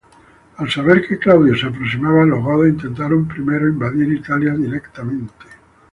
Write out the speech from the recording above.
Al saber que Claudio se aproximaba, los godos intentaron primero invadir Italia directamente.